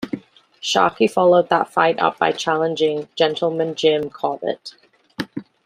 Sharkey followed that fight up by challenging "Gentleman Jim" Corbett.